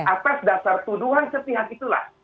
atas dasar tuduhan sepihak itulah